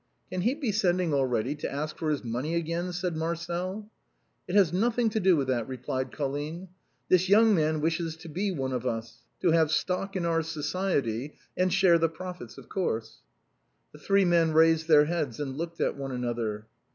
" Can he be sending already to ask for his money again ?" said Marcel. " It has nothing to do with that," replied Colline. " This young man wishes to be one of us ; to have stock in our society, and share the profits, of course." The three men raised their heads and looked at one another.